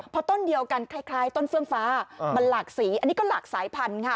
เพราะต้นเดียวกันคล้ายต้นเฟื่องฟ้ามันหลากสีอันนี้ก็หลากสายพันธุ์ค่ะ